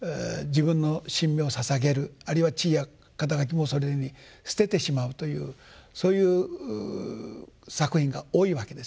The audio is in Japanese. あるいは地位や肩書もそれに捨ててしまうというそういう作品が多いわけですよね。